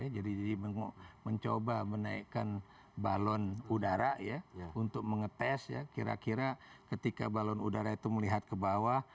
jadi mencoba menaikkan balon udara untuk mengetes kira kira ketika balon udara itu melihat ke bawah